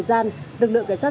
vâng đúng rồi ạ